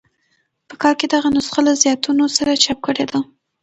په کال کې دغه نسخه له زیاتونو سره چاپ کړې ده.